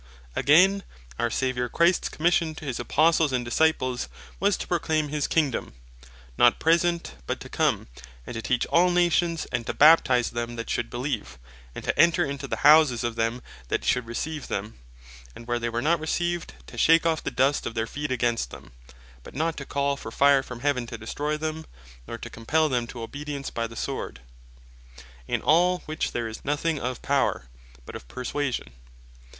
Again, our Saviour Christs Commission to his Apostles, and Disciples, was to Proclaim his Kingdome (not present, but) to come; and to Teach all Nations; and to Baptize them that should beleeve; and to enter into the houses of them that should receive them; and where they were not received, to shake off the dust of their feet against them; but not to call for fire from heaven to destroy them, nor to compell them to obedience by the Sword. In all which there is nothing of Power, but of Perswasion.